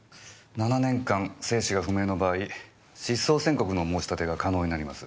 ７年間生死が不明の場合失踪宣告の申し立てが可能になります。